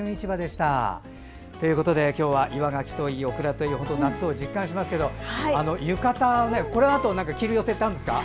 今日は岩がきといいオクラといい本当、夏を実感しますけど浴衣、このあと着る予定はあるんですか。